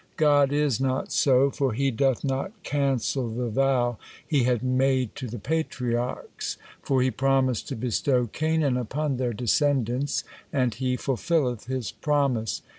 God is not so, for He doth not cancel the vow He had made to the Patriarchs, for He promised to bestow Canaan upon their descendants, and He fulfilleth His promise.